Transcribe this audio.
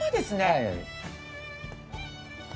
はい。